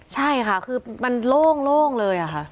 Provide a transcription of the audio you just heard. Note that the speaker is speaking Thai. ใช่ค่ะคือมันโล่งเลยค่ะ